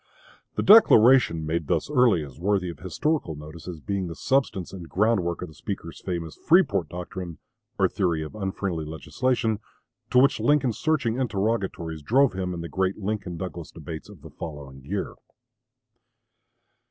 The declaration made thus early is worthy of historical notice as being the substance and groundwork of the speaker's famous "Freeport doctrine," or theory of "unfriendly legislation," to which Lincoln's searching interrogatories drove him in the great Lincoln Douglas debates of the following year.